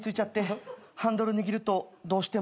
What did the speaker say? ハンドル握るとどうしても。